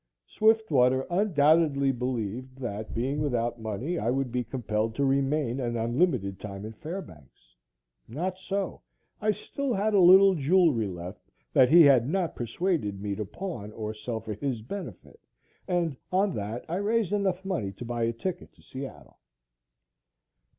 Swiftwater undoubtedly believed, that being without money I would be compelled to remain an unlimited time in Fairbanks. Not so. I still had a little jewelry left that he had not persuaded me to pawn or sell for his benefit, and on this I raised enough money to buy a ticket to Seattle.